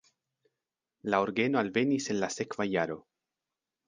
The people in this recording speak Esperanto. La orgeno alvenis en la sekva jaro.